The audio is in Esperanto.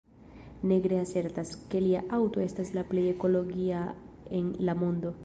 Negre asertas, ke lia aŭto estas la plej ekologia en la mondo.